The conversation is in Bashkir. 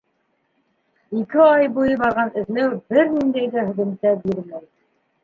Ике ай буйы барған эҙләү бер ниндәй ҙә һөҙөмтә бирмәй.